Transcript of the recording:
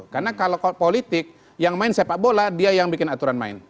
karena kalau politik yang main sepak bola dia yang bikin aturan main